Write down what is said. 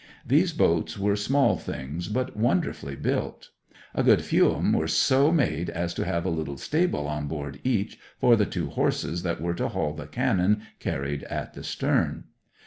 These boats were small things, but wonderfully built. A good few of 'em were so made as to have a little stable on board each for the two horses that were to haul the cannon carried at the stern.